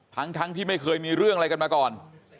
ทั้งที่ไม่เคยมีเรื่องอะไรกันมาก่อน